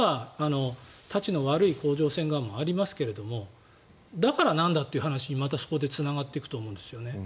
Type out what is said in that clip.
中には、たちの悪い甲状腺がんもありますけれどだからなんだという話にそこでまたつながっていくと思うんです。